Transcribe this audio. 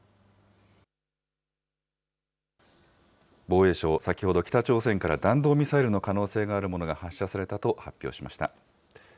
防衛省、先ほど、北朝鮮から弾道ミサイルの可能性があるものが発射されたと発表しました。